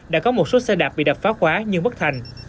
đã có một số xe đạp bị đập phá khóa nhưng bất thành